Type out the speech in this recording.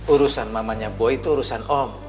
urusan mamanya boy itu urusan om